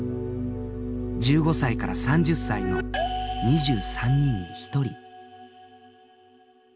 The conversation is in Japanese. １５歳から３０歳の２３人に１人。